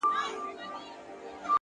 هره هڅه د راتلونکي بنسټ پیاوړی کوي